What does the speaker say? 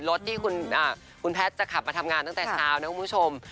รถที่คุณแพทย์จะขับมาทำงานตั้งแต่เช้านะคุณผู้ชม